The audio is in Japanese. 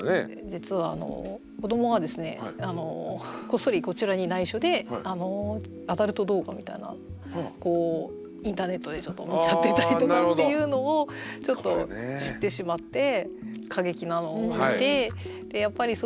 実は子どもがですねこっそりこちらに内緒でアダルト動画みたいなこうインターネットでちょっと見ちゃってたりとかっていうのをちょっと知ってしまって。